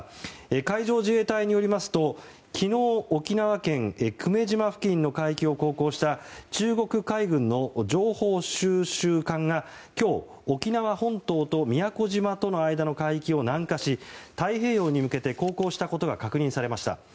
海上自衛隊によりますと昨日沖縄県久米島付近の海域を航行した中国海軍の情報収集艦が今日、沖縄本島と宮古島の間の海域を南下し太平洋に向けて航行したことが確認されました。